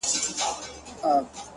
مړ مي مړوند دی ـ